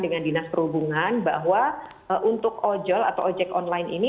dengan dinas perhubungan bahwa untuk ojol atau ojek online ini